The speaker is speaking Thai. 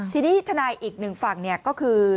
ทีนี้ทนายอีกหนึ่งฝั่งก็คือ